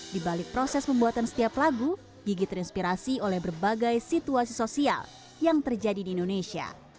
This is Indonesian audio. di balik proses pembuatan setiap lagu gigi terinspirasi oleh berbagai situasi sosial yang terjadi di indonesia